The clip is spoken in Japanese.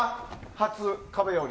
初壁下り。